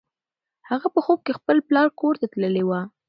هغه په خوب کې د خپل پلار کور ته تللې وه.